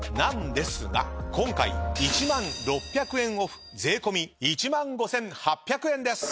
今回１万６００円オフ税込み１万５，８００円です。